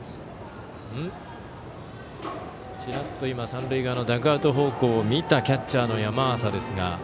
ちらっと今三塁側のダグアウト方向を見たキャッチャーの山浅ですが。